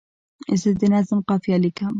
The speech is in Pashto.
زه د نظم قافیه لیکم.